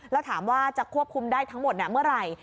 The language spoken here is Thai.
แล้วถามว่าจะควบคุมได้ทั้งหมดเมื่อไหร่